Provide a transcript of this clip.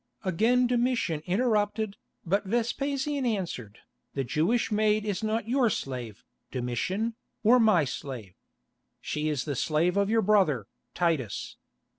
Again Domitian interrupted, but Vespasian answered, 'The Jewish maid is not your slave, Domitian, or my slave. She is the slave of your brother, Titus.